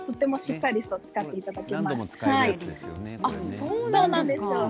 そうなんですよ。